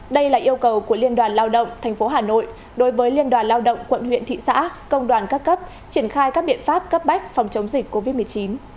đây là yêu cầu của liên đoàn lao động tp hà nội đối với liên đoàn lao động quận huyện thị xã công đoàn các cấp triển khai các biện pháp cấp bách phòng chống dịch covid một mươi chín